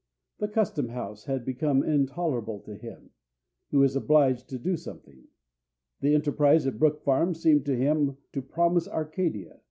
The Custom house had become intolerable to him. He was obliged to do something. The enterprise at Brook Farm seemed to him to promise Arcadia.